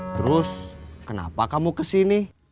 terus kenapa kamu ke sini